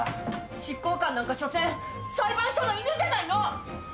執行官なんかしょせん裁判所の犬じゃないの！